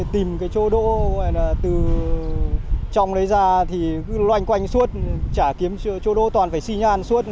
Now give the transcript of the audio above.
tìm cái chỗ đỗ gọi là từ trong đấy ra thì cứ loanh quanh suốt trả kiếm chỗ đỗ toàn phải xi nhan suốt